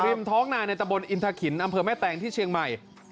ริมท้องนาในตะบนอินทะขินอำเภอแม่แตงที่เชียงใหม่